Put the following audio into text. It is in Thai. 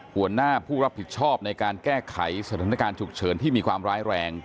หัวหน้าผู้รับผิดชอบในการแก้ไขสถานการณ์ฉุกเฉินที่มีความร้ายแรง